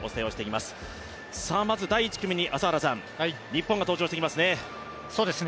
まず第１組に日本が登場してきますね。